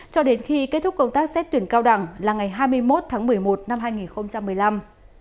cho đến khi kết thúc công tác xét tuyển cao đẳng là ngày hai mươi một tháng một mươi một năm hai nghìn một mươi năm